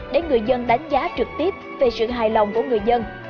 để người dân đánh giá trực tiếp về sự hài lòng của người dân